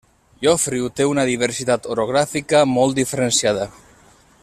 Llofriu té una diversitat orogràfica molt diferenciada.